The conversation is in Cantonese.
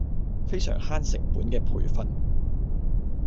非常慳成本嘅培訓